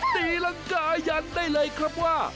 ตีรังกายันได้เลยครับว่า